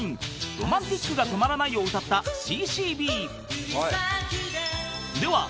［『Ｒｏｍａｎｔｉｃが止まらない』を歌ったＣ−Ｃ−Ｂ］